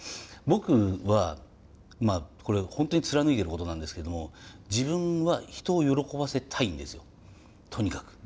僕はこれ本当に貫いてることなんですけども自分は人を喜ばせたいんですよとにかく。